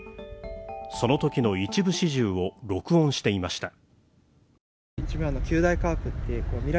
そのときの一部始終を録音していました。